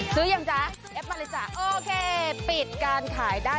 ซื้อยังจ๊ะเอฟมาเลยจ้ะโอเคปิดการขายได้